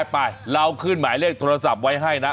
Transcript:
ไปเราขึ้นหมายเลขโทรศัพท์ไว้ให้นะ